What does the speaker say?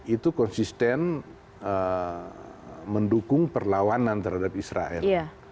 itu konsisten mendukung perlawanan terhadap israel